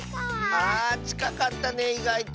あちかかったねいがいと。